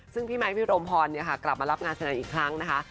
ซึ่งพี่ไมค์พี่รมพรกลับมารับงานแสดงอีกครั้งนะคะ